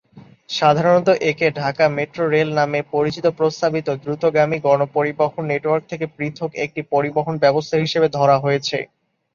সাধারণত একে Dhaka metro rail নামে পরিচিত প্রস্তাবিত দ্রুতগামী গণপরিবহন নেটওয়ার্ক থেকে পৃথক একটি পরিবহন ব্যবস্থা হিসেবে ধরা হয়েছে।